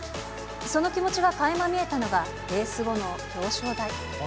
その気持ちがかいま見えたのは、レース後の表彰台。